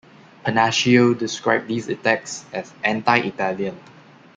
Pennacchio described these attacks as "anti-Italian".